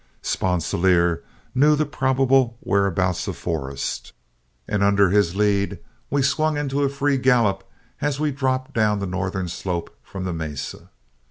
Sponsilier knew the probable whereabouts of Forrest, and under his lead we swung into a free gallop as we dropped down the northern slope from the mesa.